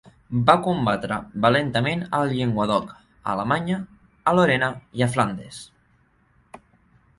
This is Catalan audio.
Va combatre valentament al Llenguadoc, a Alemanya, a Lorena i a Flandes.